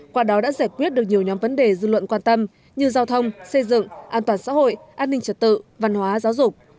qua đó đã giải quyết được nhiều nhóm vấn đề dư luận quan tâm như giao thông xây dựng an toàn xã hội an ninh trật tự văn hóa giáo dục